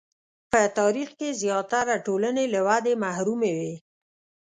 په تاریخ کې زیاتره ټولنې له ودې محرومې وې.